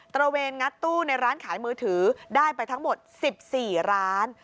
ระเวนงัดตู้ในร้านขายมือถือได้ไปทั้งหมด๑๔ร้าน